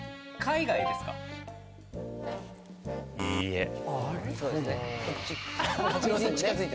いいえ。